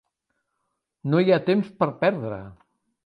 No hi ha temps per perdre.